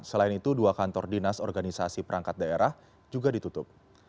selain itu dua kantor dinas organisasi perangkat daerah juga ditutup